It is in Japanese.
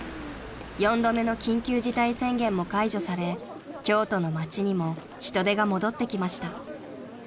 ［４度目の緊急事態宣言も解除され京都の街にも人出が戻ってきました］